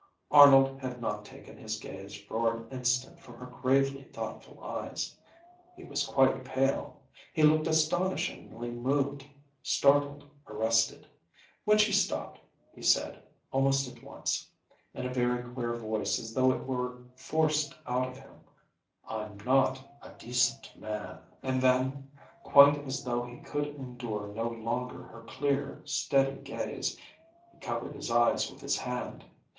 Arnold had not taken his gaze for an instant from her gravely thoughtful eyes. He was quite pale. He looked astonishingly moved, startled, arrested. When she stopped, he said, almost at once, in a very queer voice as though it were forced out of him, "I'm not a decent man." And then, quite as though he could endure no longer her clear, steady gaze, he covered his eyes with his hand.